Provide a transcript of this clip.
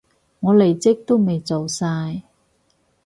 我離職都未做晒